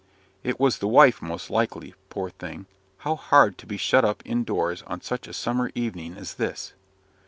"It was the wife, most likely. Poor thing! how hard to be shut up in doors on such a summer evening as this!"